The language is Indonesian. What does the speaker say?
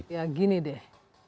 ya gini deh